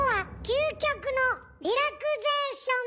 究極のリラクゼーション？